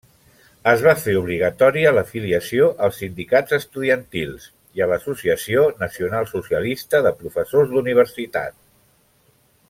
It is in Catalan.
Es va fer obligatòria l'afiliació als sindicats estudiantils i a l'Associació Nacionalsocialista de Professors d'Universitat.